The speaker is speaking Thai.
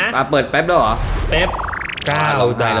อ่ะเปิดเป็ปแล้วเหรอ